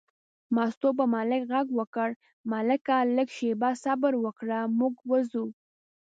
مستو په ملک غږ وکړ: ملکه لږه شېبه صبر وکړه، موږ وځو.